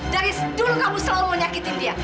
dari dulu kamu selalu mau nyakitin dia